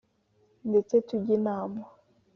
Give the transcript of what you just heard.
ndetse tujye n’inama !